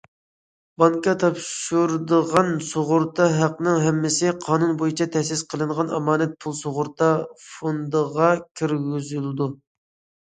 بانكا تاپشۇرىدىغان سۇغۇرتا ھەققىنىڭ ھەممىسى قانۇن بويىچە تەسىس قىلىنغان ئامانەت پۇل سۇغۇرتا فوندىغا كىرگۈزۈلىدۇ.